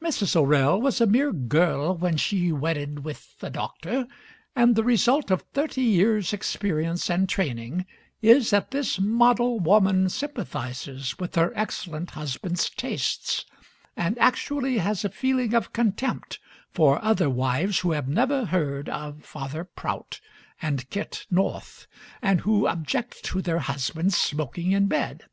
Mrs. O'Rell was a mere girl when she wedded with the doctor, and the result of thirty years' experience and training is that this model woman sympathizes with her excellent husband's tastes, and actually has a feeling of contempt for other wives who have never heard of Father Prout and Kit North, and who object to their husbands' smoking in bed.